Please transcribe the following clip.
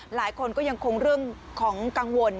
หลายคนก็ยังคงเรื่องของกังวล